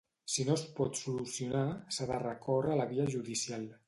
Si no es pot solucionar, s’ha de recórrer a la via judicial.